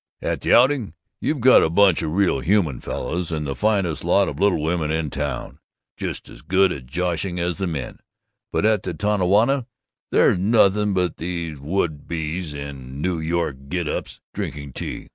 At the Outing we've got a bunch of real human fellows, and the finest lot of little women in town just as good at joshing as the men but at the Tonawanda there's nothing but these would be's in New York get ups, drinking tea!